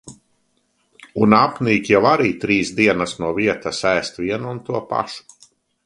Un apnīk jau arī trīs dienas no vietas ēst vienu un to pašu.